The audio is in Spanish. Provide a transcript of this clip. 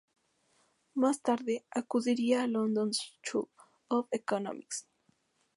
Más tarde acudiría a la London School of Economics.